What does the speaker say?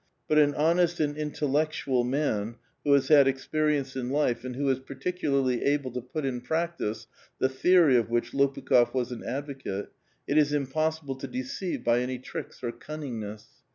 But an honest and intellectual man, who has had experience in life, and who is particularly able to put in practice the theory of which Lopukh6f was an advocate, it is impossible to deceive by any tricks or cunningness.